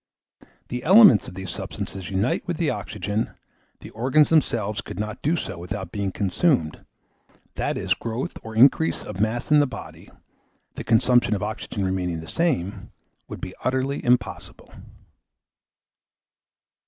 The elements of these substances unite with the oxygen; the organs themselves could not do so without being consumed; that is, growth, or increase of mass in the body, the consumption of oxygen remaining the same, would be utterly impossible.